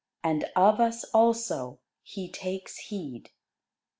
And of us also He takes heed.